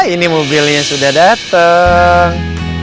ini mobilnya sudah dateng